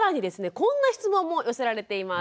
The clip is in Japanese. こんな質問も寄せられています。